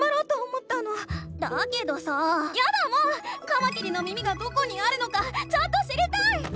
カマキリの耳がどこにあるのかちゃんと知りたい！